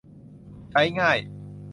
ใช้ง่าย